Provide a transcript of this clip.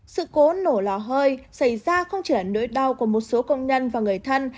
sự cố nổ lò hơi xảy ra không chỉ là nỗi đau của một số công nhân và người thân